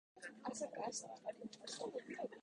もうあきた